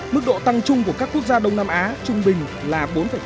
mức độ tăng chung của các quốc gia đông nam á trung bình là bốn tám bốn chín